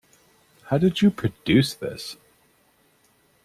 How did you produce this?